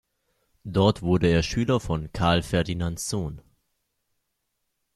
Dort wurde er Schüler von Karl Ferdinand Sohn.